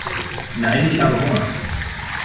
Nein, ich habe Hunger.